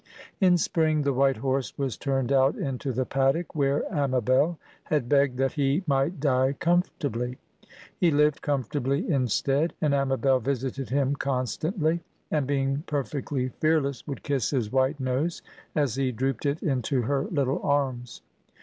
In spring the white horse was turned out into the paddock, where Amabel had begged that he might die comfortably. He lived comfortably instead; and Amabel visited him constantly, and being perfectly fearless would kiss his white nose as he drooped it into her little arms.